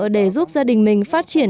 để giúp gia đình mình phát triển